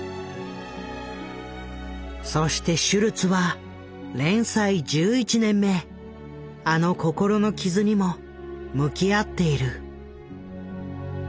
そしてシュルツは連載１１年目あの心の傷にも向き合っている。